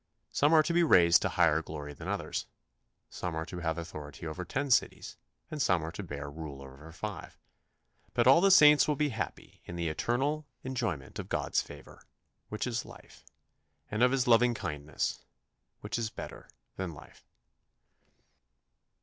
Some are to be raised to higher glory than others some are to have authority over ten cities, and some are to bear rule over five but all the saints will be happy in the eternal enjoyment of God's favour, which is life; and of His loving kindness, which is better than life.